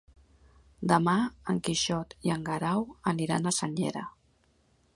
Demà en Quixot i en Guerau aniran a Senyera.